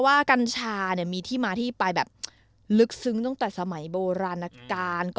ว่ากัญชาเนี้ยมีที่มาที่ไปแบบลึกซึ้งจากแต่สมัยโบราณการค์